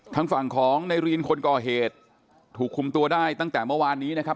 ทางฝั่งของในรีนคนก่อเหตุถูกคุมตัวได้ตั้งแต่เมื่อวานนี้นะครับ